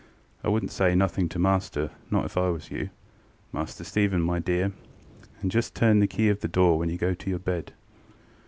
I wouldnŌĆÖt say nothing to master, not if I was you, Master Stephen, my dear; and just turn the key of the door when you go to your bed.